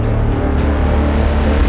sampai jumpa lagi